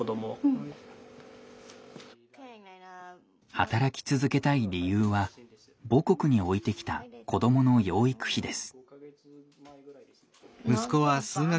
働き続けたい理由は母国に置いてきた子どもの養育費です。